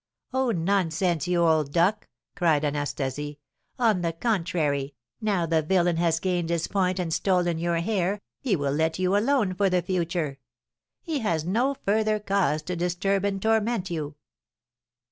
"Oh, nonsense, you old duck!" cried Anastasie. "On the contrary, now the villain has gained his point and stolen your hair, he will let you alone for the future. He has no further cause to disturb and torment you."